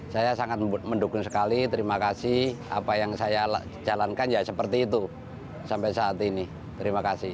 saya sangat mendukung sekali terima kasih apa yang saya jalankan ya seperti itu sampai saat ini terima kasih